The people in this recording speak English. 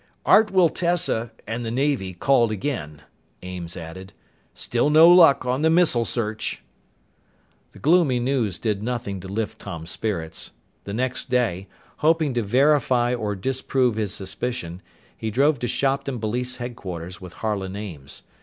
"Art Wiltessa and the Navy called again," Ames added. "Still no luck on the missile search." The gloomy news did nothing to lift Tom's spirits. The next day, hoping to verify or disprove his suspicion, he drove to Shopton Police Headquarters with Harlan Ames.